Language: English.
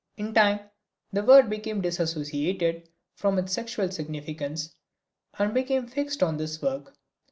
In time the word became disassociated from its sexual significance and became fixed on this work.